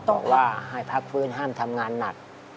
บอกว่าให้พักฟื้นห้ามทำงานหนัก